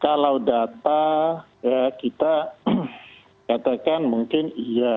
kalau data ya kita katakan mungkin iya